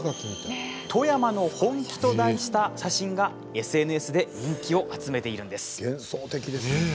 「富山の本気」と題した写真がＳＮＳで人気を集めています。